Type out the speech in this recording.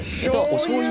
おしょうゆ？